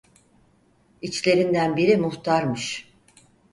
İçlerinden biri muhtarmış.